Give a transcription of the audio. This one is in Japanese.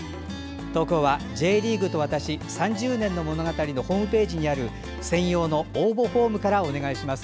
投稿は「Ｊリーグと私３０年の物語」のホームページにある専用の応募フォームからお願いします。